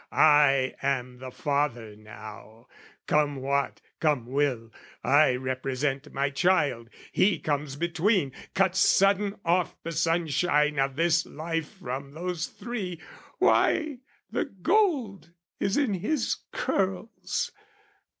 "I am the father now, come what, come will, "I represent my child; he comes between "Cuts sudden off the sunshine of this life "From those three: why, the gold is in his curls!